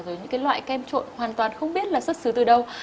rồi những cái loại kem trộn hoàn toàn không biết là xuất xứ từ đâu